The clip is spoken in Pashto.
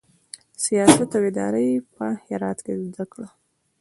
سیاست او اداره یې په هرات کې زده کړه.